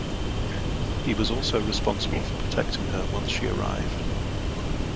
He was also responsible for protecting her once she arrived.